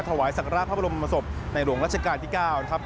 ถวายศักระพระบรมศพในหลวงรัชกาลที่๙นะครับ